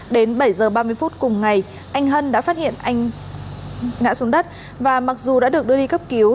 đến bảy h ba mươi phút cùng ngày anh hân đã phát hiện anh ngã xuống đất và mặc dù đã được đưa đi cấp cứu